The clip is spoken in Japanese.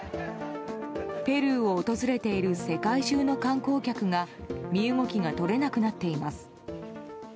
ペルーを訪れている世界中の観光客が身動きが取れなくなっています。